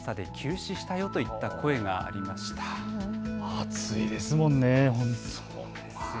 暑いですもんね。